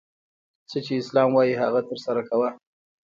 څه چي اسلام وايي هغه ترسره کوه!